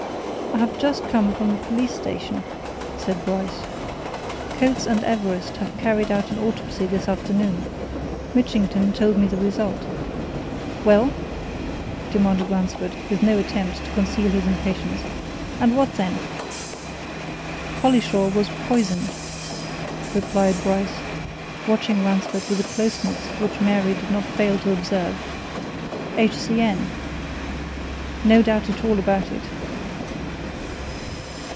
"I have just come from the police station," said Bryce. "Coates and Everest have carried out an autopsy this afternoon. Mitchington told me the result." "Well?" demanded Ransford, with no attempt to conceal his impatience. "And what then?" "Collishaw was poisoned," replied Bryce, watching Ransford with a closeness which Mary did not fail to observe. "H.C.N. No doubt at all about it."